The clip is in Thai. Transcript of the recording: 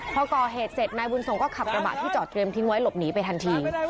พอก่อเหตุเสร็จนายบุญส่งก็ขับกระบะที่จอดเรียมทิ้งไว้หลบหนีไปทันที